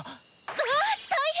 あっ大変！